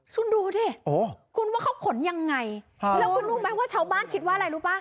คุณดูสิคุณว่าเขาขนยังไงแล้วคุณรู้ไหมว่าชาวบ้านคิดว่าอะไรรู้ป่ะ